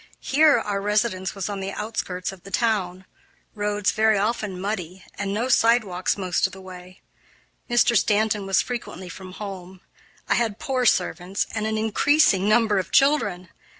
Here our residence was on the outskirts of the town, roads very often muddy and no sidewalks most of the way, Mr. Stanton was frequently from home, I had poor servants, and an increasing number of children.